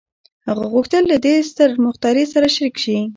هغه غوښتل له دې ستر مخترع سره شريک شي.